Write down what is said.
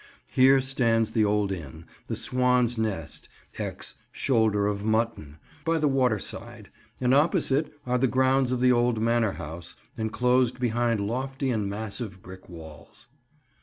Here stands the old inn, the "Swan's Nest," ex "Shoulder of Mutton," by the waterside, and opposite are the grounds of the old manor house, enclosed behind lofty and massive brick walls.